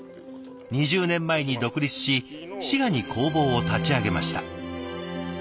２０年前に独立し滋賀に工房を立ち上げました。